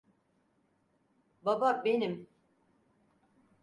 Baba, benim.